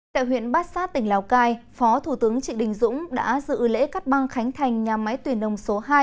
tại huyện bát sát tỉnh lào cai phó thủ tướng trịnh đình dũng đã dự lễ cắt băng khánh thành nhà máy tuyển đồng số hai